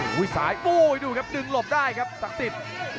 โอ้ยสายโอ้ยดูครับดึงหลบได้ครับสักติด